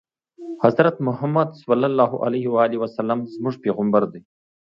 حضرت محمد ص زموږ پیغمبر دی